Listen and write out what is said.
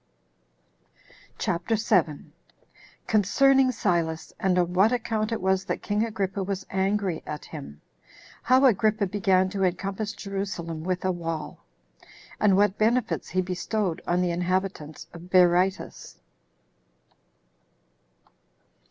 CHAPTER 7. Concerning Silas And On What Account It Was That King Agrippa Was Angry At Him. How Agrippa Began To Encompass Jerusalem With A Wall; And What Benefits He Bestowed On The Inhabitants Of Berytus.